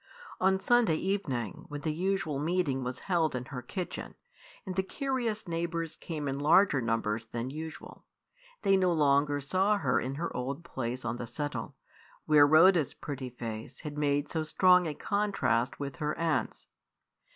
On Sunday evening, when the usual meeting was held in her kitchen, and the curious neighbours came in larger numbers than usual, they no longer saw her in her old place on the settle, where Rhoda's pretty face had made so strong a contrast with her aunt's.